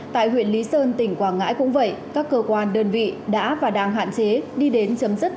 tại huyện lý sơn tỉnh quảng ngãi cũng vậy các cơ quan đơn vị đã và đang hạn chế đi đến chấm dứt